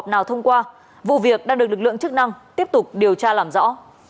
nào thông qua vụ việc đang được lực lượng chức năng tiếp tục điều tra làm rõ